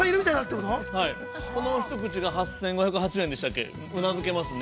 この一口が、８５８０円でしたっけ、うなずけますね。